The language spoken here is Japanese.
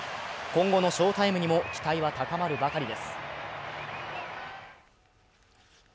今後の翔タイムにも期待は高まるばかりです。